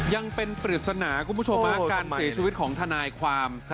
ยังเป็นปริศนาคุณผู้ชมการเสียชีวิตของทนายความ